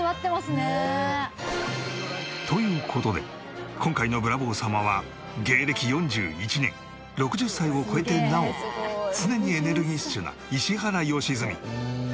「ねえ」という事で今回のブラボー様は芸歴４１年６０歳を超えてなお常にエネルギッシュな石原良純。